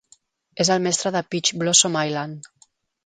És el mestre de Peach Blossom Island.